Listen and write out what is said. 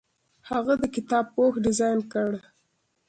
هغه د کتاب پوښ ډیزاین کړ.